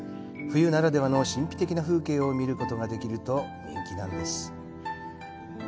冬ならではの神秘的な風景を見ることができると人気なんです。